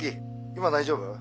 今大丈夫？